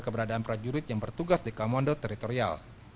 pada keberadaan prajurit yang bertugas di kamondo teritorial